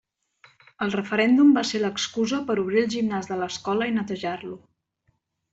El referèndum va ser l'excusa per obrir el gimnàs de l'escola i netejar-lo.